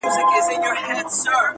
نیکه ویل چي دا پنځه زره کلونه کیږي٫